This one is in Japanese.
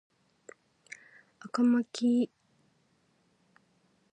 赤巻上青巻紙黄巻紙